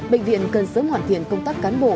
bệnh viện cần sớm hoàn thiện công tác đối ngoại